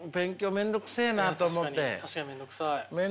面倒くせえなと思って。